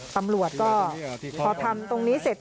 ตำรวจก็พอทำตรงนี้เสร็จ